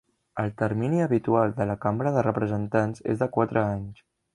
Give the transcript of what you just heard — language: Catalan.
El termini habitual de la Cambra de Representants és de quatre anys.